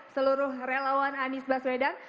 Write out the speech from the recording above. seluruh relawan anies baswedan